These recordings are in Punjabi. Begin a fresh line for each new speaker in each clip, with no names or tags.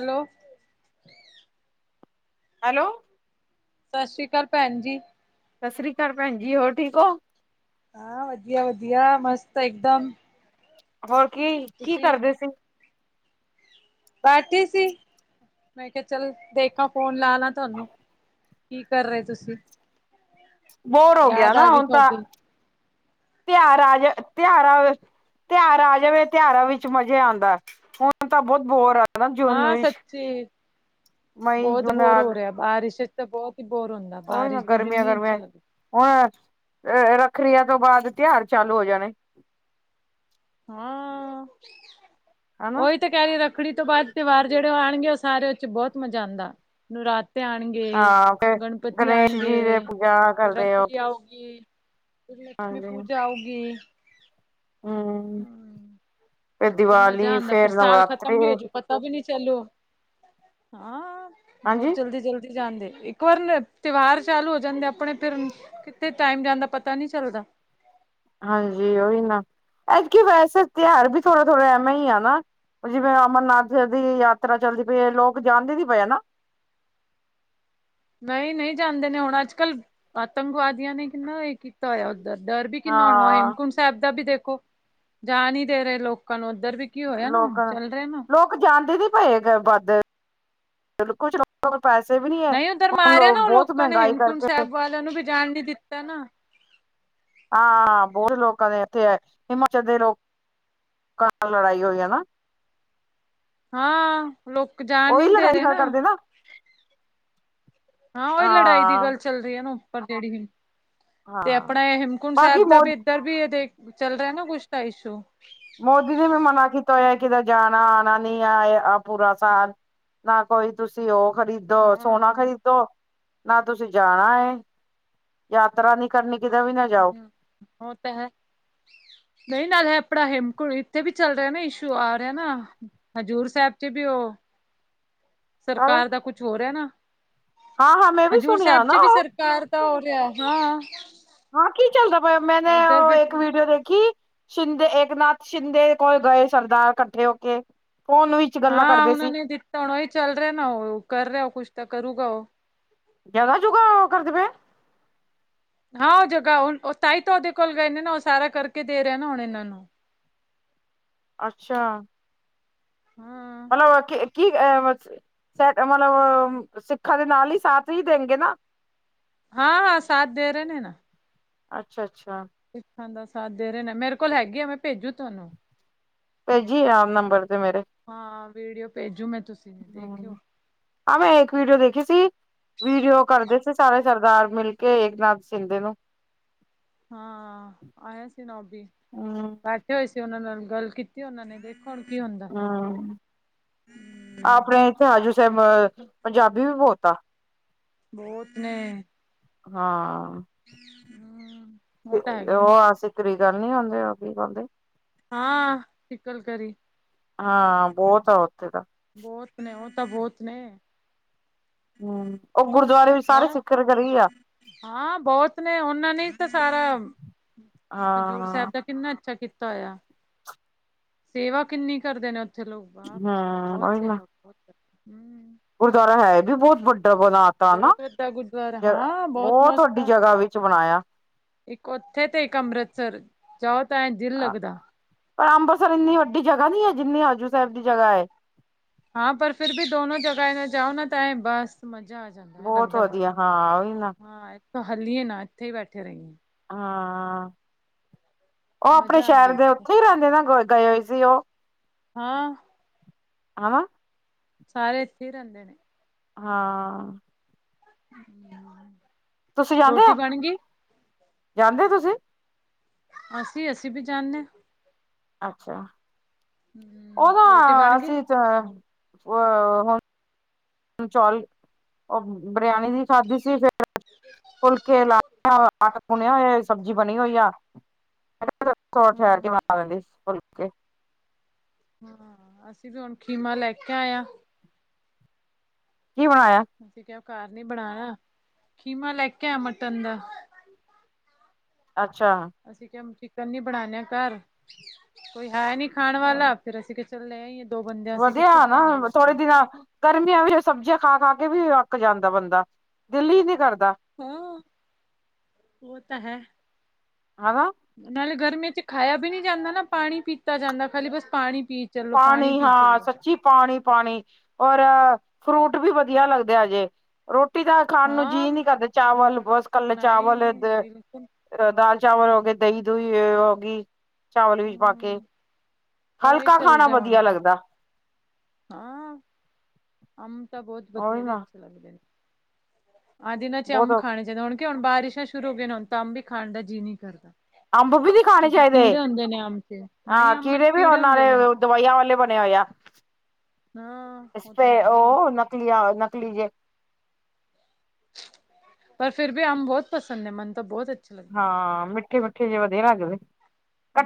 ਹੈਲੋ [unintelligible]
ਹੈਲੋ ਸਤਿ
ਸਤਿ ਸ਼੍ਰੀ ਅਕਾਲ ਭੈਣ ਜੀ
ਸਤਿ ਸ੍ਰੀ ਅਕਾਲ ਭੈਣ ਜੀ ਹੋਰ ਠੀਕ ਹੋ
ਹਾਂ ਵਧੀਆ ਵਧੀਆ ਮਸਤ ਇਕਦਮ
ਹੋਰ ਕੀ ਕੀ
ਤੁਸੀਂ
ਕਰਦੇ ਸੀ
ਬੈਠੀ ਸੀ ਮੈਂ ਕਿਹਾ ਚੱਲ ਦੇਖਾ ਫੋਨ ਲਾ ਲਾ ਤੁਹਾਨੂੰ ਕੀ ਕਰ ਰਹੇ ਤੁਸੀਂ
ਬੋਰ ਹੋ ਗਿਆ
ਯਾਦ
ਨਾ
ਆ ਗਈ
ਹੁਣ ਤਾਂ
ਤੁਹਾਡੀ
ਤਿਉਾਰ ਆ ਜ ਤਿਉਹਾਰਾਂ [unintelligible] ਤਿਉਹਾਰ ਆ ਜਾਵੇ ਤਿਉਹਾਰਾਂ ਵਿੱਚ ਮਜ਼ਾ ਆਉਂਦਾ ਹੁਣ ਤਾਂ ਬਹੁਤ ਬੋਰ ਆ ਹਨ ਜੂਨ
ਹਾਂ ਸੱਚੀ
ਮਈ
ਬਹੁਤ
ਜੂਨ
ਬੋਰ
ਅਗ
ਹੋ
[unintelligible] [unintelligible]
ਰਿਹਾ ਬਾਰਿਸ਼ ਚ ਤਾਂ ਬਹੁਤ ਹੀ ਬੋਰ ਹੁੰਦੀ
ਉਹੀ ਗਰਮੀਆਂ ਗਰਮੀਆਂ ਹੁਣ ਰੱਖੜੀਆਂ ਤੋਂ ਬਾਅਦ ਤਿਉਹਾਰ ਚਾਲੂ ਹੋ ਜਾਣੇ
ਹਾਂ
ਹਨਾ
ਉਹੀ ਤੇ ਕਹਿਰੀ ਰੱਖ [unintelligible] ਰੱਖੜੀ ਤੋਂ ਬਾਅਦ ਤਿਉਹਾਰ ਜਿਹੜੇ ਉਹ ਆਉਣਗੇ ਉਹ ਸਾਰੇ ਉਸ ਚ ਬਹੁਤ ਮਜ਼ਾ ਆਉਂਦਾ ਨਵਰਾਤੇ ਆਉਣਗੇ
ਹਾਂ ਫਿਰ
ਗਣਪਤੀ
ਗਣੇਸ਼ ਜੀ ਦੇ
ਆਉਣਗੇ
ਪੂਜਾ ਕਰਦੇ ਹੋ
ਰੱਖੜੀ ਆਊਗੀ ਲਕਸ਼ਮੀ
ਹਾਂਜੀ
ਪੂਜਾ ਹੋਊਗੀ
ਹਮ
ਹਮ ਫਿਰ ਮਜ਼ਾ
ਦੀਵਾਲੀ
ਆਉਂਦਾ
ਫੇਰ
ਫਿਰ ਸਾਲ
ਨਵਰਾਤਰੀ
ਖਤਮ ਵੀ ਹੋਜੁ ਪਤਾ ਵੀ ਨੀ ਚਲੋ ਹਾਂ ਬਹੁਤ
ਹਾਂਜੀ
ਜਲਦੀ ਜਲਦੀ ਜਾਂਦੇ ਇੱਕ ਵਾਰ ਤਿਉਹਾਰ ਚਾਲੂ ਹੋ ਜਾਂਦੇ ਆਪਣੇ ਫਿਰ ਕਿਤੇ ਟਾਈਮ ਜਾਂਦਾ ਪਤਾ ਨਹੀਂ ਚੱਲਦਾ
ਹਾਂਜੀ ਉਹੀ ਨਾ ਐੱਦਕਿ ਵੈਸੇ ਤਿਉਹਾਰ ਵੀ ਥੋੜ੍ਹਾ ਥੋੜ੍ਹਾ ਐਵੇਂ ਹੀ ਆ ਨਾ ਜਿਵੇਂ ਅਮਰਨਾਥ ਦੀ ਯਾਤਰਾ ਚੱਲਦੀ ਪਈ ਹੈ ਲੋਕ ਜਾਣਦੇ ਨਹੀ ਪਏ ਨਾ
ਨਹੀਂ- ਨਹੀਂ, ਜਾਣਦੇ ਨੇ ਹੁਣ ਅੱਜ ਕੱਲ, ਆਤੰਕਵਾਦੀਆਂ ਨੇ ਕਿੰਨਾ, ਇਹ ਕੀਤਾ ਹੋਇਆ। ਡਰ ਵੀ, ਕਿੰਨਾ ਹੋਣਾ।
ਹਾਂ
ਹੇਮਕੁੰਟ ਸਾਹਿਬ ਦਾ ਵੀ, ਦੇਖੋ ਜਾ ਨੀ ਦੇ ਰਹੇ। ਲੋ- ਕਲ ਉੱਧਰ ਵੀ, ਕੀ ਹੋਇਆ ਨਾ,
ਲੋਕ
ਚੱਲ ਰਿਹਾ ਨਾ।
ਲੋਕ ਜਾਂਦੇ ਨ ਪਏ, ਵੱਧ ਚਲ। ਕੁਛ- ਕੋਲ ਪੈਸੇ ਵੀ, ਨੀ ਹੈ।
ਨਹੀਂ ਉੱਧਰ
ਹੁਣ
ਮਾਰਿਆ
ਲੋਕ
ਨਾ ਉਹ
ਬਹੁਤ
ਲੋਕਾਂ ਨੇ
ਮਹਿੰਗਾਈ,
ਹੇਮਕੁੰਟ
ਕਰਦੇ।
ਸਾਹਿਬ ਵਾਲਿਆਂ ਨੂੰ ਵੀ ਜਾਣ ਨੀ ਦਿੱਤਾ ਨਾ [unintelligible]
ਹਾਂ ਬਹੁਤ ਲੋਕਾਂ ਦੇ ਇੱਥੇ ਹੈ ਹਿਮਾਚਲ ਦੇ ਲੋਕਾਂ ਲੜਾਈ ਹੋਈ ਹੈ ਨਾ [unintelligible]
ਹਾਂ ਲੋਕ ਜਾਣ
ਉਹੀ
ਨਹੀ ਦੇ ਰਹੇ
ਲੜਾਈ
ਨਾ
ਕਰਦੇ
ਹਾਂ ਉਹੀ ਲੜਾਈ ਦੀ
ਹਾਂ
ਗੱਲ ਚੱਲ ਰਹੀ ਹੈ ਨਾ ਉੱਪਰ ਜਿਹੜੀ ਤੇ
ਹਾਂ
ਆਪਣਾ ਹੇਮਕੁੰਟ
ਬਾਕੀ
ਸਾਹਿਬ ਦਾ ਵੀ
ਮੋਦੀ
ਇਧਰ ਵੀ ਚੱਲ ਰਿਹਾ ਨਾ ਕੁਛ ਤਾਂ ਇਸ਼ੂ
ਮੋਦੀ ਨੇ ਵੀ ਮਨਾ ਕੀਤਾ ਹੋਇਆ ਕਿਤੇ ਜਾਣਾ ਆਉਣਾ ਨਹੀਂ ਆ ਪੂਰਾ ਸਾਲ ਨਾ ਕੋਈ ਤੁਸੀਂ ਉਹ [unintelligible]
ਹਾਂ
ਨਾ ਸੋਨਾ ਖਰੀਦੋ ਨਾ ਤੁਸੀਂ ਜਾਣਾ ਯਾਤਰਾ ਨਹੀ ਕਰਨੀ ਕਿਤੇ ਵੀ ਨਾ ਜਾਓ
ਓਹ ਤਾਂ ਹੈ ਨਹੀਂ ਨਾਲ ਹੈ ਆਪਣਾ ਹੇਮਕੁੰਟ ਇੱਥੇ ਵੀ ਚੱਲ ਰਿਹਾ ਨਾ ਇਸ਼ੂ ਆ ਰਿਹਾ ਨਾ ਹਜ਼ੂਰ ਸਾਹਿਬ ਚ, ਵੀ ਉਹ। ਸਰਕਾਰ ਦਾ, ਕੁਛ ਹੋ ਰਹਾ ਨਾ।
ਹਾਂ- ਹਾਂ, ਮੈਂ ਵੀ, ਸੁਣਿਆ ਨਾ ਉਹ।
ਘਰ ਤਾਂ, ਹੋ ਲਿਆ ਹਾਂ।
ਹਾਂ, ਕੀ ਚੱਲਦਾ ਪਿਆ। ਮੈਂਨੇ
ਉਧਰ
ਉਹ
ਵੀ
ਇੱਕ, ਵੀਡੀਓ ਦੇਖੀ। ਸ਼ਿੰਦੇ ਏਕਨਾਥ, ਸ਼ਿੰਦੇ ਕੋਲ ਗਏ। ਸਰਦਾਰ ਇਕੱਠੇ ਹੋ ਕੇ। ਫੋਨ ਵੀ-
ਹਾਂ, ਉਹਨਾਂ ਨੇ ਦਿੱਤਾ ਹੁਣ। ਉਹੀ ਚੱਲ ਰਿਹਾ ਨਾ, ਉਹ ਕਰ ਰਿਹਾ। ਉਹ ਕੁਛ ਤਾਂ ਕਰੂਗਾ ਉਹ।
ਜਗਾ- ਜੁਗਾ, ਔ ਕਰਦੇ ਪੈਂਣ।
ਹਾਂ, ਉਹ ਜਗਾ ਹੁਣ, ਤਾਈ ਤਾ ਓਦੇ ਕੋਲ ਗਣੇ, ਨੇ ਨਾ ਔ ਸਾਰਾ ਕਰ ਕੇ, ਦੇ ਰਿਹਾ ਹੈ। ਨਾ ਣਨਾਂਨੂੰ।
ਅੱਛਾ!
ਹਾਂ।
ਮਤਲਬ ਕੀ, ਅ- ਸ ਮਤਲਬ, ਸਿੱਖਾਂ ਦੇ ਨਾਲ ਹੀ, ਸਾਥ ਹੀ ਦੇਣਗੇ ਨਾ।
ਹਾਂ- ਹਾਂ, ਸਾਥ ਦੇ ਰਹੇ ਨੇ, ਨਾ।
ਅੱਛਾ- ਅੱਛਾ।
ਸਿੱਖਾਂ ਦਾ ਸਾਥ, ਦੇ ਰਹੇ ਨੇ। ਮੇਰੇ ਕੋਲ, ਹੈਗੇ ਆ। ਮੈਂ ਭੇਜੂ ਤੁਹਾਨੂੰ।
ਭੇਜੀ ਆਮ ਨੰਬਰ ਤੇ ਮੇਰੇ
ਹਾਂ, ਵੀਡੀਓ ਭੇਜੂ। ਮੈਂ, ਤੁਸੀਂ ਦੇਖਿਓ।
ਆ, ਮੈਂ ਇੱਕ, ਵੀਡੀਓ ਦੇਖੀ ਸੀ। ਵੀਡੀਓ ਕਰਦੇ ਸੀ। ਸਾਰੇ ਸਰਦਾਰ ਮਿਲ ਕੇ, ਏਕਨਾਥ ਸ਼ਿੰਦੇ ਨੂੰ।
ਹਾਂ। ਆਇਆ ਸੀ, ਨੌਬੀ।
ਹਮ
ਹੋਏ ਸੀ, ਉਹਨਾਂ ਨਾਲ ਗੱਲ। ਕੀਤੀ ਉਹਨਾਂ ਨੇ, ਦੇਖੋ ਹੁਣ ਕੀ ਹੁੰ।
ਹਾਂ, ਆਪਣੇ ਇਥੇ ਹਜੂ ਸਾਹਿਬ, ਪੰਜਾਬੀ ਵੀ ਬੋਹੁਤਾ।
ਬਹੁਤ, ਨੇ।
ਹਾਂ,
ਹੂੰ ਤਾਂ ਹੈਗੇ
ਉਹ
ਨੇ
ਆਸੀ। ਤੇਰੀ ਗੱਲ ਨੀ, ਆਉਂਦੀ। ਉਹ ਕੀ ਕਰਦੇ?
ਹਾਂ, ਠੀਕ ਗਲ, ਕਿਹ ਰੀ।
ਹਾਂ, ਬਹੁਤ ਆ। ਉੱਥੇ ਤਾਂ।
ਬਹੁਤ ਨੇ, ਉਹ ਤਾਂ, ਬਹੁਤ ਨੇ।
ਹੂੰ। ਉਹ ਗੁਰਦੁਆਰੇ ਵੀ, ਸਾਰੇ
ਹੋਰ
ਸਿਖਰ ਕਰ ਰਹੀ ਆ।
ਹਾਂ, ਬਹੁਤ ਨੇ, ਉਹਨਾਂ ਨੇ ਤਾਂ, ਸਾਰਾ ਹਜ਼ੂਰ
ਹਾਂ
ਸਾਹਿਬ ਦਾ। ਕਿੰਨਾ ਅੱਛਾ, ਕੀਤਾ ਹੋਆ। ਸੇਵਾ ਕਿੰਨੀ, ਕਰਦੇ ਨੇ ਉੱਥੇ ਲੋਕ। ਬਾਹ।
ਹਮ ਉਹੀ ਨਾ
ਹੂੰ।
ਗੁਰਦੁਆਰਾ ਹੈ ਵੀ, ਬਹੁਤ ਵੱਡਾ ਬਣਾ। ਤਾ, ਨਾ,
ਬਹੁਤ ਵੱਡਾ ਗੁਰਦੁਆਰਾ
ਜ
ਹਾਂ
ਬਹੁਤ
ਮਸਤ
ਵੱਡੀ
ਆ
ਜਗਾ, ਵਿੱਚ ਬਣਾਇਆ।
ਇੱਕ ਉੱਥੇ ਤੇ, ਇੱਕ ਅੰਮ੍ਰਿਤਸਰ, ਜਾਓ ਤਾਂ ਐ ਦਿਲ ਲੱਗਦਾ।
ਪਰ ਅੰਬਰਸਰ ਇੰਨੀ ਵੱਡੀ ਜਗ੍ਹਾ ਨੀ ਹੈ, ਜਿੰਨੀ ਹਜੂਰ ਸਾਹਿਬ ਦੀ ਜਗ੍ਹਾ ਹੈ।
ਹਾਂ, ਪਰ ਫਿਰ ਵੀ ਦੋਨੋ ਜਗਾ ਏ ਨਾ ਜਾਓ, ਨਾ ਤਾਂ ਬਸ ਮਜ਼ਾ ਆ ਜਾਂਦਾ
ਬਹੁਤ
ਲੱਗਦਾ ਬਸ,
ਵਧੀਆ ਹਾਂ ਉਹੀ ਨਾ
ਹਾਂ ਤਾਂ ਹਲੀਏ ਨਾ ਇੱਥੇ ਹੀ ਬੈਠੇ ਰਹੀਏਂ।
ਹਾਂ, ਉਹ ਆਪਣੇ
ਮਜ਼ਾ ਆਂਦੀ
ਸ਼ਹਿਰ ਦੇ ਉੱਥੇ ਹੀ ਰਹਿੰਦੇ ਨਾ, ਗ, ਗਏ ਹੋਏ ਸੀ, ਉਹ।
ਹਾਂ
ਹਵਾਂ।
ਸਾਰੇ ਣਿਥੇ, ਹੀ ਰਹਿੰਦੇ ਨੇ।
ਹਾਂ।
ਹਮ
ਤੁਸੀਂ ਜਾਂਦੇ ਹੋ। ਜਾਂਦੇ ਤੁਸੀਂ?
ਅਸੀਂ, ਅਸੀਂ ਵੀ, ਜਾਂਦੇ ਹਾਂ।
ਅੱਛਾ।
ਹੂੰ
ਉਹਦਾ,
ਰੋਟੀ ਬਣ ਗਈ
ਅਸੀਂ ਹੁਣ। ਚੌਲ, ਉਹ ਬਰਿਆਨੀ ਵੀ, ਖਾਧੀ ਸੀ। ਫਿਰ। ਫੁਲਕੇ ਲਾ, ਆਟਾ ਗੁਣਿਆ ਹੋਏ, ਸਬਜ਼ੀ ਬਣੀ ਹੋਈ ਆ। [unintelligible] ਥੋਰਾ ਠਹਿਰ
ਹਾਂ
ਕੇ ਬਣਾ ਲਾਂਗੀ, ਫੂਲਕੇ।
ਅਸੀਂ ਬੀ ਹੁਣ ਖੀਮਾ ਲੈਕੇ ਆਏ ਆ।
ਕੀ ਬਣਾਇਆ?
ਅਸੀਂ ਕਿਹਾ ਘਾਰ ਨੀ ਬਣਾਣਾ, ਖੀਮਾ ਲੈਕੇ ਆਏ ਆਂ ਮਟਨ ਦਾ।
ਅੱਛਾ।
ਅਸੀਂ ਕਿਹਾ ਚਿਕਨ ਨੀ ਬਣਾਨੇ ਆ ਘਰ, ਕੋਈ ਹੈ ਨੀ ਖਾਣ ਵਾਲਾ, ਫੇਰ ਅਸੀਂ ਚੱਲ, ਲੈ ਆਈਏ। ਦੋ ਬੰਦਿਆਂ ਅਸੀਂ
ਵਧੀਆ
ਕਿੱਥੇ ਬਣਾਦੇ
ਹਨਾ, ਥੋੜੇ
ਬੈਠੇ
ਦਿਨਾਂ ਗਰਮੀਆਂ ਵਿੱਚ ਸਬਜ਼ੀਆਂ ਖਾ-ਖਾਕੇ, ਵੀ ਅੱਕ ਜਾਂਦਾ ਬੰਦਾ, ਦਿੱਲ ਹੀ ਨਹੀਂ ਕਰਦਾ।
ਹੂੰ, ਉਹ ਤਾ ਹੈ।
ਆਵਾ?
ਨਾਲੇ ਗਰਮੀਆਂ'ਚ ਖਾਇਆ ਵੀ ਨਹੀਂ ਜਾਂਦਾ ਨਾ, ਪਾਣੀ ਪੀਤਾ ਜਾਂਦਾ ਖਾਲੀ, ਬਸ ਪਾਣੀ ਪੀ ਚੱਲੋ
ਪਾਣੀ,
ਪੀ
ਹਾਂ
ਚੱਲੋ
ਸੱਚੀ ਪਾਣੀ-ਪਾਣੀ ਔਰ ਫਰੂਟ ਵੀ ਵਧੀਆ ਲੱਗਦੇ ਹਜੇ। ਰੋਟੀ ਤਾ ਖਾਣ ਨੂੰ
ਹਾਂ
ਜੀਅ ਨੀ ਕਰਦੇ, ਚਾਵਲ
ਫਰੂਟ
ਬਸ, ਕੱਲੇ ਚਾਵਲ ਅ
ਨਹੀਂ ਬਿਲਕੁਲ
ਦਾਲ, ਚਾਵਲ ਹੋ ਗਏ, ਦਹੀਂ-ਦੁਹੀ ਹੋ ਗਈ, ਚਾਵਲ ਵਿੱਚ ਪਾਕੇ।
ਹੂੰ ਉਹੀ
ਪੱਕਾ
ਚੱਲ
ਖਾਣਾ
ਰਿਹਾ ਹੁਣ
ਵਧੀਆ
ਤਾਂ
ਲੱਗਦਾ।
ਹਾਂ, ਅਮ ਤਾਂ ਬਹੁਤ,
ਉਹੀ
ਬਥੇਰੇ
ਨਾ
ਅੱਛੇ ਲੱਗਦੇਨ। ਆਹਜ ਇਹਨਾਂ'ਚ
ਬਹੁਤ
ਅੰਮ ਖਾਣੇ ਚਾਹੀਦਾ, ਹੁਣ ਕਿ, ਹੁਣ ਬਾਰਿਸ਼ਾਂ ਸ਼ੁਰੂ ਹੋ ਗਏ ਹੁਣ ਤਾ, ਅੰਬ ਵੀ ਖਾਣ ਦਾ ਜੀ ਨਹੀਂ ਕਰਦਾ।
ਅੰਬ ਵੀ ਨੀ ਖਾਣੇ
ਕਿਉਂਕਿ
ਚਾਹੀਦੇ
ਕੀੜੇ ਹੁੰਦੇ ਨੇ ਅੰਬ'ਚ, ਨਹੀ
ਹਾਂ
ਅੰਮ'ਚ
ਵੀ ਉਹ
ਕੀੜੇ
ਨਾਲੇ
ਹੁੰਦੇ ਨੇ।
ਦਵਾਈਆਂ ਵਾਲੇ ਬਣੇ ਹੋਏ ਆ।
ਹੰ, ਉਹ ਤਾ, ਹੈਗਾ ਹੀ ਆ।
ਨਕਲੀ ਆ, ਨਕਲੀ ਜੇ।
ਪਰ ਫਿਰ ਵੀ ਅਮ ਬਹੁਤ ਪਸੰਦ ਹੈ, ਮਨ ਤਾ ਬਹੁਤ ਅੱਛੇ ਲੱਗਦੇ ਨੇ
ਹਾਂ, ਮਿੱਠੇ- ਮਿੱਠੇ ਜਿਹੇ ਵਧੀਆ ਲੱਗਦੇ,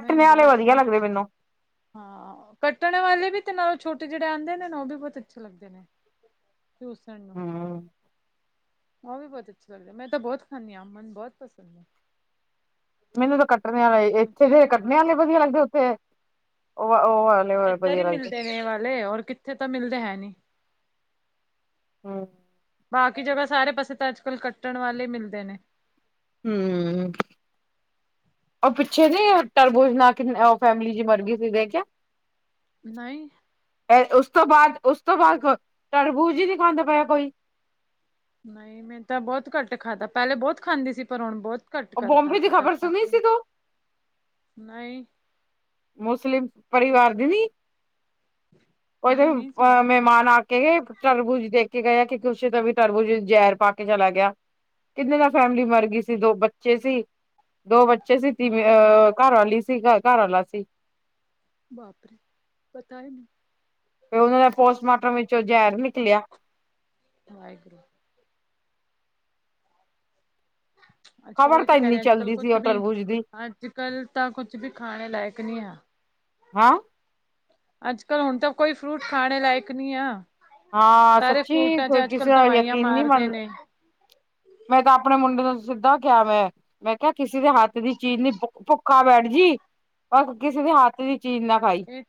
ਮੈਂ
ਵਾਲੇ
ਬਹੁਤ
ਵਧੀਆ
ਮਨ
ਲੱਗਦੇ ਮੈਨੂੰ।
ਹਾਂ, ਕੱਟਣ ਵਾਲੇ ਵੀ ਤੇ ਨਾਲੋਂ ਛੋਟੇ ਜਿਹੜੇ ਆਂਦੇ ਨੇ, ਉਹ ਵੀ ਬਹੁਤ ਅੱਛੇ ਲੱਗਦੇ ਨੇ। ਚੂਸਣ ਨੂੰ।
ਹੂੰ
ਉਹ ਵੀ ਬਹੁਤ ਅੱਛੇ ਲੱਗਦੇ, ਮੈਂ ਤਾ, ਬਹੁਤ ਖਾਂਦੀ ਹਾ ਅਮ ਬਹੁਤ ਪਸੰਦ ਏ।
ਮੈਨੂੰ ਤਾਂ ਕੱਟਣ ਵਾਲੇ,
ਹੁਣ
ਇੱਥੇ
ਕੇ
ਦੇ ਕੱਟਣੇ ਵਾਲੇ ਵਧੀਆ ਲੱਗਦੇ, ਉੱਥੇ, ਉਹ
ਇੱਧਰ ਹੀ
ਵਧੀਆ ਲੱਗਦੇ
ਮਿਲਦੇ ਨੇ ਏ ਵਾਲੇ, ਔਰ ਕਿੱਥੇ ਤਾਂ ਮਿਲਦੇ ਹੈ ਨੀ।
ਹਾਂ
ਬਾਕੀ ਜਗ੍ਹਾ ਸਾਰੇ ਪਾਸੇ ਤਾਂ, ਅੱਜ-ਕੱਲ ਕੱਟਣ ਵਾਲੇ ਹੀ ਮਿਲਦੇ ਨੇ।
ਹੂੰ, ਉਹ ਪਿੱਛੇ ਨੀ, ਟਰਬੂਜ ਨਾਲ ਕਿ, ਫੈਮਿਲੀ ਜ ਮਰ ਗਈ ਸੀ, ਦੇਖਿਆ?
ਨਹੀਂ।
ਉਸ ਤੋਂ ਬਾਅਦ ਉਸ ਤੋਂ ਬਾਅਦ ਤਰਬੂਜ ਹੀ ਨਹੀ ਖਾਂਦਾ ਪਿਆ ਕੋਈ
ਨਹੀਂ ਮੈਂ ਤਾਂ ਬਹੁਤ ਘੱਟ ਖਾਧਾ ਪਹਿਲੇ ਬਹੁਤ ਖਾਂਦੀ ਸੀ ਪਰ ਹੁਣ ਬਹੁਤ ਘੱਟ
ਉਹ
ਕਰਤਾ
ਬੋਮਬੇ ਦੀ
ਸੀ ਤਾਂ
ਖਬਰ ਸੁਣੀ
ਖਾਂਦੇ ਨੀ।
ਸੀ ਤੂੰ
ਨਹੀਂ
ਮੁਸਲੀਮ ਪਰਿਵਾਰ ਦੀ ਨੀ
ਨਹੀਂ,
ਉਹ
ਨਹੀਂ ਸੁਣੀ
ਮਹਿਮਾਨ ਆਕੇ ਗਏ, ਤਰਬੁਜ ਦੇਕੇ ਗਏ, ਕਿਉਂਕਿ ਉਸੇ ਤਾਂ ਵੀ ਤਰਬੂਜ ਜਹਿਰ ਪਾਕੇ ਚਲਾ ਗਿਆ। ਕਿੰਨੇ ਨਾਲ ਫੈਮਿਲੀ ਮਰ ਗਈ ਸੀ, ਦੋ ਬੱਚੇ ਸੀ। ਦੋ ਬੱਚੇ ਸੀ, ਤੀਂ,
ਹਾਂ
ਅਹ, ਘਰਵਾਲੀ ਸੀ, ਘ ਘਰਵਾਲਾ ਸੀ।
ਬਾਪ ਰੇ! ਪਤਾ ਹੈ, ਨੈ
ਫਿਰ ਉਹਨਾਂ ਦਾ ਪੋਸਟਮਾਰਟਮ ਵਿੱਚ ਓਹ ਜ਼ਹਿਰ ਨਿਕਲਿਆ।
ਵਾਹਿਗੁਰੂ। ਅੱਜ ਕੱਲ
ਖ਼ਬਰ
ਉਹੀ
ਤਾਂ
ਕਹਿ
ਇੰਨੀ
ਰਹੇ ਅੱਜ ਕੱਲ
ਚੱਲਦੀ ਸੀ,
ਕੁਛ
ਓ
ਵੀ
ਟਰਬੁਜ ਦੀ।
ਅੱਜ ਕੱਲ ਤਾਂ, ਕੁਛ ਵੀ ਖਾਣੇ ਲਾਇਕ ਨੀ ਆ।
ਹਾਂ
ਅੱਜ-ਕਲ ਹੁਣ ਤਾਂ, ਕੋਈ ਫਰੂਟ ਖਾਣੇ ਲਾਇਕ ਨਹੀਂ ਆ।
ਹਾਂ
ਸਾਰੇ
ਸੱਚੀ
ਫਰੂਟਾਂ
ਕੋ
ਚ ਅੱਜ
ਕਿਸੇ
ਕੱਲ
ਦਾ
ਦਵਾਈਆਂ
ਯਕੀਨ ਨਹੀ
ਮਾਰਦੇ
ਮੰਨਦਾ
ਨੇ
ਮੈਂ ਤਾਂ ਆਪਣੇ ਮੁੰਡੇ ਨੂੰ ਸਿੱਧਾ ਕਿਹਾ ਮੈਂ ਮੈਂ ਕਿਹਾ ਕਿਸੇ ਦੇ ਹੱਥ ਦੀ ਚੀਜ਼ ਨੀ ਭੁੱਖਾ ਬੈਠ ਜੀ ਪਰ ਕਿਸੇ ਦੇ ਹੱਥ ਦੀ ਚੀਜ਼ ਨਾ ਖਾਈ
ਇਹ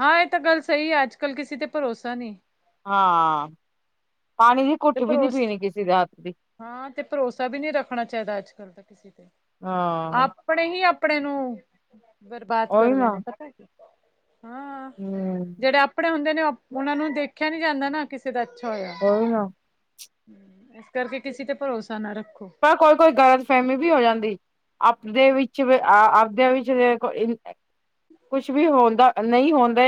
ਹਾਂ ਇਹ ਤਾਂ ਗੱਲ ਸਹੀ ਆ ਅੱਜ ਕੱਲ੍ਹ ਕਿਸੇ ਤੇ ਭਰੋਸਾ ਨਹੀਂ
ਹਾਂ ਪਾਣੀ ਦੀ
ਤੇ
ਘੁੱਟ ਵੀ ਨੀ
ਭਰੋਸ
ਪੀਣੀ ਕਿਸੇ ਦੇ ਹੱਥ ਦੀ
ਹਾਂ ਤੇ ਭਰੋਸਾ ਵੀ ਨਹੀ ਰੱਖਣਾ ਚਾਹੀਦਾ ਅੱਜ ਕੱਲ ਤਾਂ ਕਿਸੇ ਤੇ
ਹਾਂ
ਆਪਣੇ ਹੀ ਆਪਣੇ ਨੂੰ ਬਰਬਾਦ
ਉਹੀ
ਕਰਦੇ
ਨਾ
ਨੇ ਹਾਂ
ਹਮ
ਜਿਹੜੇ ਆਪਣੇ ਹੁੰਦੇ ਨੇ ਉਹ ਉਹਨਾ ਨੂੰ ਦੇਖਿਆ ਨੀ ਜਾਂਦਾ ਨਾ ਕਿਸੇ ਦਾ ਅੱਛਾ ਹੋਇਆ
ਹੋ ਨਾ
ਹਮ ਇਸ ਕਰਕੇ ਕਿਸੇ ਤੇ ਭਰੋਸਾ ਨਾ ਰੱਖੋ
ਪਰ ਕੋਈ ਕੋਈ ਗ਼ਲਤ ਫਹਿਮੀ ਵੀ ਹੋ ਜਾਂਦੀ ਆਪਦੇ ਵਿੱਚ ਆਪਦੇ ਵਿੱਚ ਕੁਛ ਵੀ ਹੁੰਦਾ ਨਹੀਂ ਹੁੰਦਾ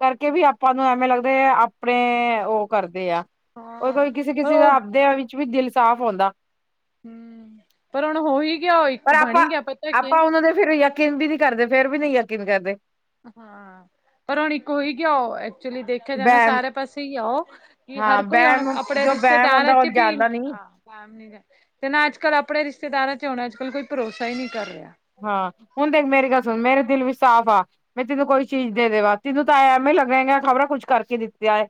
ਕਰਕੇ ਵੀ ਆਪਾਂ ਨੂੰ ਐਵੇਂ ਲੱਗਦੇ ਆਪਣੇ ਉਹ ਕਰਦੇ ਆ ਉਹ
ਹਾਂ
ਕੋਈ ਕਿਸੇ
ਪਰ
ਕਿਸੇ
ਉਹ
ਦਾ ਆਪਦਿਆਂ ਵਿੱਚ ਵੀ ਦਿਲ ਸਾਫ਼ ਆਉਂਦਾ
ਹਮ ਪਰ ਹੁਣ ਹੋ ਹੀ ਗਿਆ ਉਹ ਇੱਕ ਬਣੀ ਗਿਆ ਪਤਾ ਕਿ
ਉਹ ਦੇ ਫਿਰ ਯਕਨ ਵੀ ਨਹੀ ਕਰਦੇ ਫੇਰ ਵੀ ਨਹੀਂ ਯਕੀਨ ਕਰਦੇ
ਹਾਂ ਪਰ ਹੁਣ ਇੱਕ ਹੋਈ ਗਿਆ ਆਓ ਐਕਚੁਲੀ ਦੇਖਿਆ ਜਾਂਦਾ
ਬੈਮ
ਸਾਰੇ ਪਾਸੇ ਹੀ ਆਓ ਕਿ
ਹਾਂ
ਹਰ ਕੋਈਣ
ਬੈਮ
ਕਪੜੇ
ਜੋ ਬੈਮ
ਰਿਸ਼ਤੇਦਾਰਾਂ
ਹੁੰਦਾ ਉਹ
ਚ ਵੀ
ਜਾਂਦਾ ਨੀ
ਮ ਨੀ ਤੇ ਨਾ ਅੱਜ ਕੱਲ੍ਹ ਆਪਣੇ ਰਿਸ਼ਤੇਦਾਰਾਂ ਚ ਹੁਣ ਅੱਜ ਕੱਲ੍ਹ ਕੋਈ ਭਰੋਸਾ ਹੀ ਨਹੀ ਕਰ ਰਿਹਾ
ਹਾਂ ਹੁਣ ਦੇਖ ਮੇਰੀ ਗੱਲ ਸੁਣ ਮੇਰਾ ਦਿਲ ਵੀ ਸਾਫ਼ ਆ ਮੈਂ ਤੈਨੂੰ ਕੋਈ ਚੀਜ਼ ਦੇ ਦੇਵਾ ਤੈਨੂੰ ਤਾਂ ਐ ਐਵੇਂ ਲੱਗਿਆ ਖ਼ਬਰਾਂ ਕੁੱਝ ਕਰਕੇ ਦਿੱਤੀਆਂ ਹੈ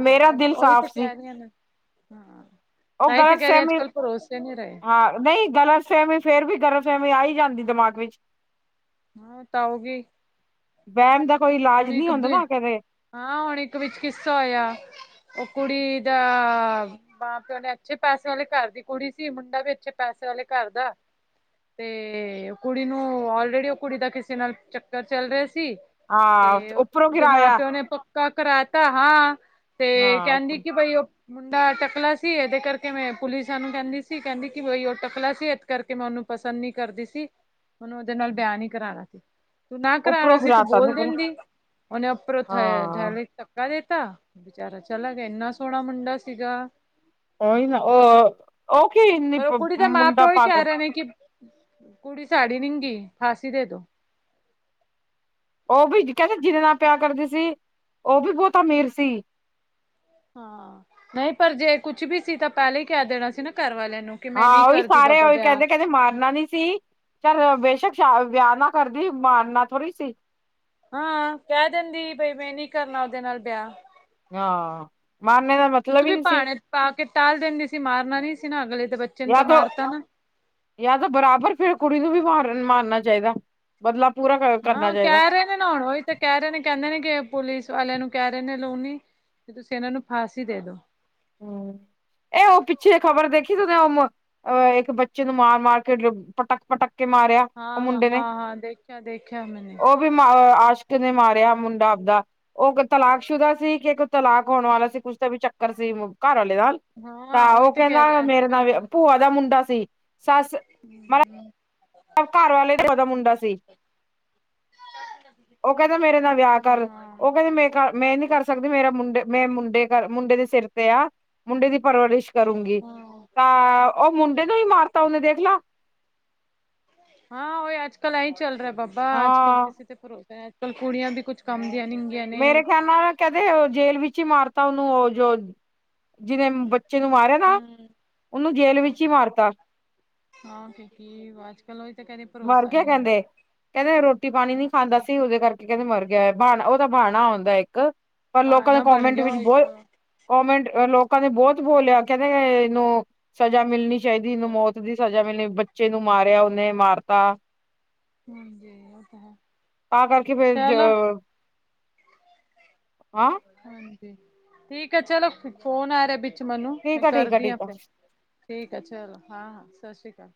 ਮੇਰਾ
ਅੱਜ
ਦਿਲ
ਉਹੀ ਤੇ
ਸਾਫ਼ ਸੀ
ਕਹਿ ਰਹੀਆਂ ਨੇ ਹਾਂ
ਉਹ
ਤਾਂਹੀ ਤੇ
ਗਲਤ
ਕਹਿ ਰਹੀਆਂ ਅੱਜ
ਫਹਿਮੀ
ਕੱਲ ਭਰੋਸੇ ਨਹੀ ਰਹੇ
ਨਹੀਂ ਗਲਤ ਸੇਮੀ ਫੇਰ ਵੀ ਗਲਤ ਸੇਮੀ ਆਈ ਜਾਂਦੀ ਦਿਮਾਗ ਵਿੱਚ
ਹਾਂ ਤਊਗੀ
ਵਹਿਮ ਦਾ ਕੋਈ ਇਲਾਜ ਨਹੀ ਹੁੰਦਾ ਨਾ ਕਦੇ
ਹਾਂ ਹੁਣ ਇੱਕ ਵਿੱਚ ਕਿੱਸਾ ਆਇਆ ਉਹ ਕੁੜੀ ਦਾ ਮਾਂ ਪਿਓ ਨੇ ਅੱਛੇ ਪੈਸੇ ਵਾਲੇ ਘਰ ਦੀ ਕੁੜੀ ਸੀ ਮੁੰਡਾ ਵੀ ਅੱਛੇ ਪੈਸੇ ਵਾਲੇ ਘਰ ਦਾ ਤੇ ਕੁੜੀ ਨੂੰ ਆਲਰੇਡੀ ਉਹ ਕੁੜੀ ਦਾ ਕਿਸੇ ਨਾਲ ਚੱਕਰ ਚੱਲ ਰਿਹਾ ਸੀ
ਹਾਂ
ਤੇ
ਉੱਪਰੋਂ
ਉਹਦੇ ਮਾਂ
ਗਿਰਾਇਆ
ਪਿਓ ਨੇ ਪੱਕਾ ਕਰਾਤਾ ਹਾਂ ਤੇ
ਹਾਂ
ਕਹਿੰਦੀ
ਉੱਪਰ
ਕਿ ਬਈ ਉਹ ਮੁੰਡਾ ਟਕਲਾ ਸੀ ਇਹਦੇ ਕਰਕੇ ਮੈਂ ਪੁਲਿਸਾਂ ਨੂੰ ਕਹਿੰਦੀ ਸੀ ਕਹਿੰਦੀ ਕਿ ਬਈ ਉਹ ਟਕਲਾ ਸੀ ਇਸ ਕਰਕੇ ਮੈਂ ਉਹਨੂੰ ਪਸੰਦ ਨੀ ਕਰਦੀ ਸੀ ਮੈਨੂੰ ਉਹਦੇ ਨਾਲ ਵਿਆਨ ਨੀ ਕਰਾਉਣਾ ਸੀ ਤੂੰ ਨਾ ਕਰਾਉਣਾ
ਉੱਪਰੋਂ
ਸੀ ਤੂੰ
ਗਿਰਾਤਾ
ਬੋਲ
ਤੇ ਪਹਿਲਾਂ
ਦਿੰਦੀ ਉਹਹਨੇ ਉਪਰੋਂ
ਹਾਂ
ਤ ਦੇਤਾ ਬੇਚਾਰਾ ਚੱਲ ਗਿਆ ਇੰਨਾ ਸੋਹਣਾ ਮੁੰਡਾ ਸੀਗਾ
ਓਹੀ ਨਾ ਉਹ ਉਹ ਕੀ ਮੁੰਡਾ ਪਾਗਲ।
ਜਿਵੇਂ ਕਿ। ਕੁੜੀ ਸਾਡੀ ਨਿੰਗੀ ਫਾਸੀ ਦੇ ਦੋ।
ਉਹ ਵੀ ਕਹਿੰਦੇ ਜਿਦੇ ਨਾਲ ਪਿਆ ਕਰਦੀ ਸੀ ਉਹ ਵੀ ਬਹੁਤ ਅਮੀਰ ਸੀ
ਹਾਂ ਨਹੀਂ ਪਰ ਜੇ ਕੁਛ ਵੀ ਸੀ ਤਾਂ ਪਹਿਲਾਂ ਹੀ ਕਹਿ ਦੇਣਾ ਸੀ ਨਾ ਘਰ ਵਾਲਿਆਂ ਨੂੰ ਕਿ ਮੈਂ ਨਹੀਂ
ਹਾਂ ਉਹੀ
ਕਰਦੀ
ਸਾਰੇ
ਬਾਬਾ
ਉਹੀ
ਵਿਆਹ
ਕਹਿੰਦੇ ਕਹਿੰਦੇ ਮਾਰਨਾ ਨੀ ਸੀ ਚੱਲ ਬੇਸ਼ੱਕ ਸ਼ ਵਿਆਹ ਨਾ ਕਰਦੀ ਮਾਰਨਾ ਥੋੜੀ ਸੀ
ਹਾਂ ਕਹਿ ਦਿੰਦੀ ਬਈ ਮੈਂ ਨੀ ਕਰਨਾ ਉਹਦੇ ਨਾਲ ਵਿਆਹ
ਆ
ਕੁਛ ਵੀ ਭਾਣੇ ਪਾ ਕੇ ਟਾਲ ਦਿੰਦੀ ਸੀ ਮਾਰਨਾ ਨਹੀ ਸੀ ਨਾ ਅਗਲੇ ਦੇ ਬੱਚੇ ਨੂੰ ਤਾਂ ਮਾਰਤਾ
ਯ ਤਾਂ ਬਰਾਬਰ ਫੇਰ ਕੁੜੀ ਨੂੰ ਵੀ ਮਾਰਨ ਮਾਰਨਾ ਚਾਹੀਦਾ ਬਦਲਾ ਪੂਰਾ ਕਰ ਕਰਨਾ
ਹਾਂ
ਚਾਹੀਦਾ
ਕਹਿ ਰਹੇ ਨੇ ਨਾ ਹੁਣ ਉਹੀ ਤਾਂ ਕਹਿ ਰਹੇ ਨੇ ਕਹਿੰਦੇ ਨੇ ਕਿ ਪੁਲਿਸ ਵਾਲਿਆਂ ਨੂੰ ਕਹਿ ਰਹੇ ਨੇ ਲੂਣੀ। ਤੁਸੀਂ ਇਹਨਾਂ ਨੂੰ ਫਾਂਸੀ ਦੇ ਦਿਓ।
ਇਹ ਉਹ ਪਿੱਛੇ ਖ਼ਬਰ ਦੇਖੀ ਤੁਸੀ ਹੁਣ। ਇੱਕ ਬੱਚੇ ਨੂੰ ਮਾਰ ਮਾਰ ਕੇ ਪਟਕ ਪਟੱਕ ਕੇ ਮਾਰਿਆ। ਉਹ
ਹਾਂ,
ਮੁੰਡੇ ਨੇ
ਹਾਂ, ਹਾਂ ਦੇਖਿਆ, ਦੇਖਿਆ ਮੈੇ।
ਉਹ ਵੀ ਮ ਆਸ਼ਕ ਨੇ ਮਾਰਿਆ ਮੁੰਡਾ ਆਪਦਾ। ਉਹ ਤਲਾਕ ਸ਼ੁਦਾ ਸੀ ਕਿ ਤਲਾਕ ਹੋਣ ਵਾਲਾ ਸੀ ਕੁੱਛ ਦਾ ਵੀ ਚੱਕਰ ਸੀ। ਘਰਵਾਲੇ ਨਾਲ
ਹਾਂ
ਤਾਂ ਉਹ
ਉਹੀ ਤੇ ਕਹਿ
ਕਹਿੰਦਾ
ਰਿਹਾ ਅੱਜ
ਮੇਰੇ ਨਾਲ
ਕੱਲ
ਭੂਆ ਦਾ ਮੁੰਡਾ ਸੀ ਸੱਸ।
ਹਮ।
ਸਘਰ ਵਾਲੇ ਦੀ ਭੁਆ ਦਾ ਮੁੰਡਾ ਸੀ। ਉਹ ਕਹਿੰਦਾ ਮੇਰੇ ਨਾਲ ਵਿਆਹ ਕਰ
ਹਾਂ
ਉਹ ਕਹਿੰਦੇ ਮੇਰੇ। ਮੈਂ ਨਹੀਂ ਕਰ ਸਕਦੀ, ਮੇਰਾ ਮੁੰਡੇ ਮੈਂ ਮੁੰਡੇ ਕਰ ਮੁੰਡੇ ਦੇ ਸਿਰ ਤੇ ਆ ਮੁੰਡੇ ਦੀ ਪਰਵਰਿਸ਼। ਕਰੂੰਗੀ
ਹਾਂ
ਤਾਂ ਉਹ ਮੁੰਡੇ ਨੂੰ ਹੀ ਮਾਰਤਾ ਉਹਨੇ ਦੇਖਲਾ।
ਹਾਂ ਉਹੀ ਅੱਜ ਕੱਲ ਐਹੀ ਚੱਲ ਰਿਹਾ ਬਾਬਾ ਅੱਜ ਕੱਲ੍ਹ
ਹਾਂ
ਕਿਸੇ ਤੇ ਭਰੋਸਾ ਹੈ ਅੱਜ ਕੱਲ ਕੁੜੀਆਂ ਵੀ ਕੁੱਝ ਕੰਮ ਦੀਆਂ ਨੀ। ਨੇ
ਮੇਰੇ ਖਿਆਲ ਨਾਲ ਕਹਿੰਦੇ ਜੇਲ ਵਿੱਚ ਹੀ ਮਾਰਤਾ ਉਹਨੂੰ ਉਹ ਜੋ ਜਿਹਨੇ। ਬੱਚੇ ਨੂੰ ਮਾਰਿਆ ਨਾ
ਹੂੰ
ਉਹਨੂੰ ਜੇਲ ਵਿੱਚ ਹੀ ਮਾਰਤਾ।
ਹਾਂ ਕਿ ਕੀ ਅੱਜ ਕੱਲ ਉਹ ਹੀ ਤਾਂ ਕਹਿ ਰਹੇ
ਮਰ
ਭਰੋਸਾ
ਗਿਆ
ਨਹੀਂ ਆ।
ਕਹਿੰਦੇ ਕਹਿੰਦੇ ਰੋਟੀ ਪਾਣੀ ਨੀ ਖਾਂਦਾ ਸੀ ਉਹਦੇ ਕਰਕੇ ਕਹਿੰਦੇ ਮਰ ਗਿਆ ਉਹ ਬਣਾ ਉਹ ਤਾਂ ਬਹਾਣਾ ਹੁੰਦਾ ਇੱਕ। ਪਰ ਲੋਕਾਂ ਦੇ
ਪਾਨਾ ਬਣ
ਕੋਮੈਂਟ
ਗਿਆ
ਵਿੱਚ
ਉਹ ਇੱਕ
ਬਹੁਤ। ਕਮੈਂਟ ਲੋਕਾਂ ਨੇ ਬਹੁਤ ਬੋਲਿਆ ਕਹਿੰਦੇ ਇਹਨੂੰ ਸਜ਼ਾ ਮਿਲਣੀ। ਚਾਹੀਦੀ ਇਹਨੂੰ ਮੌਤ ਦੀ ਸਜ਼ਾ ਮਿਲਣੀ ਬੱਚੇ ਨੂੰ ਮਾਰਿਆ ਉਹਨੇ ਮਾਰਤ
ਹਮ ਜੀ ਉਹ ਤਾਂ ਹੈ।
ਤਾਂ ਕਰਕੇ ਫਿਰ ਜ
ਚਲੋ
ਹਾਂ।
ਠੀਕ ਹੈ ਚਲੋ, ਫੋਨ ਆ ਰਿਹਾ ਵਿੱਚ। ਮੈਨੂੰ ਮੈਂ
ਠੀਕ ਆ ਠੀਕ ਆ
ਕਰਦੀ ਹਾਂ
ਠੀਕ ਆ
ਫਿਰ ਠੀਕ ਆ ਚਲੋ ਹਾਂ ਹਾਂ ਸਤਿ ਸ੍ਰੀ ਅਕਾਲ।